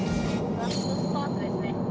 ラストスパートですね。